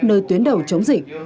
nơi tuyến đầu chống dịch